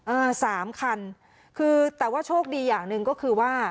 อ่าสามคันคือแต่ว่าโชคดีอย่างหนึ่งก็คือว่า